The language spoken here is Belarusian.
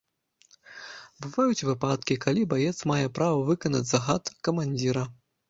Бываюць выпадкі, калі баец мае права не выканаць загад камандзіра.